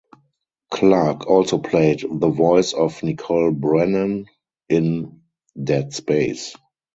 Clarke also played the voice of Nicole Brennan in "Dead Space".